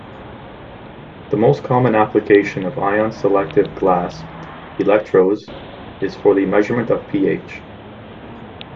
The most common application of ion-selective glass electrodes is for the measurement of pH.